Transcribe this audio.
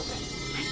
はい。